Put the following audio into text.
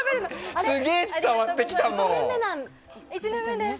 すげえ伝わってきたもん。